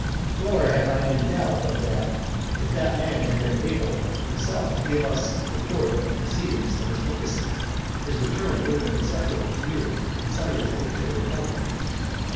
Nor have I any doubt, but that if that man had been able himself to give us his report of the proceedings of his embassy, his return would have been acceptable to you and salutary to the republic.